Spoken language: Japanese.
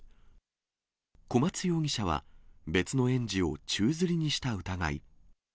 小松容疑者は、別の園児を宙づりにした疑い。